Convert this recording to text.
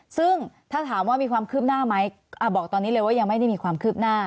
ซึ่งถ้าถามว่ามีความคืบหน้าไหมบอกตอนนี้เลยว่ายังไม่ได้มีความคืบหน้า